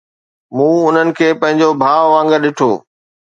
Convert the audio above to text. مون انهن کي پنهنجو پاڻ وانگر ڏٺو